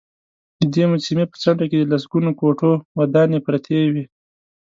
ددې مجسمې په څنډې کې د لسګونو کوټو ودانې پراته وې.